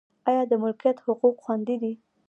آیا د ملکیت حقوق خوندي دي؟